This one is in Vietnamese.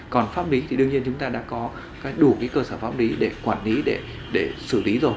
còn pháp lý thì đương nhiên chúng ta đã có đủ cơ sở pháp lý để quản lý để xử lý rồi